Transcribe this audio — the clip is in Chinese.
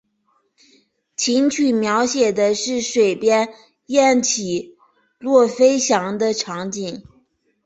琴曲描写的是水边雁起落飞翔的场景。